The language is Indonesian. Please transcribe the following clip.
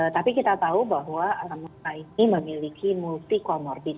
tapi kita tahu bahwa almarhumah ini memiliki multi comorbid